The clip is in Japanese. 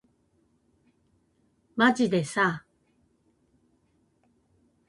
まじでさ